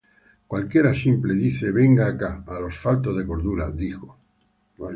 Cualquiera simple, dice, venga acá. A los faltos de cordura dijo: